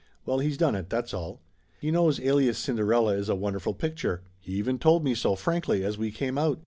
Well, he's done it, that's all. He knows Alias Cin derella is a wonderful picture. He even told me so, frankly, as we came out.